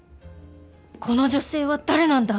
「この女性」は誰なんだ